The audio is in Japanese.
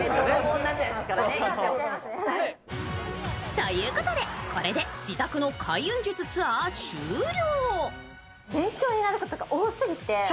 ということで、これで自宅の開運術ツアー終了。